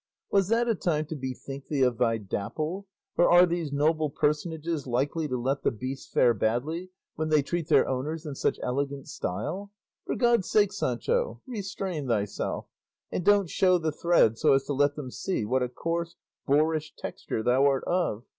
Was that a time to bethink thee of thy Dapple, or are these noble personages likely to let the beasts fare badly when they treat their owners in such elegant style? For God's sake, Sancho, restrain thyself, and don't show the thread so as to let them see what a coarse, boorish texture thou art of.